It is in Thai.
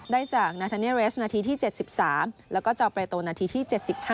ได้จากนาทีนาทีที่๗๓แล้วก็จะเอาไปตัวนาทีที่๗๕